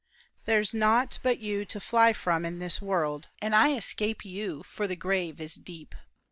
There's naught but you to fly from in this world; And I escape you, for the grave is deep.